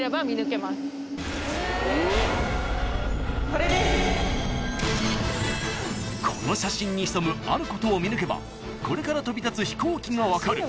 ［この写真に潜むあることを見抜けばこれから飛び立つ飛行機が分かる］